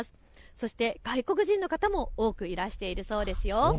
そして外国人の方も多くいらしているそうですよ。